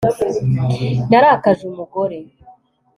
Narakaje umugore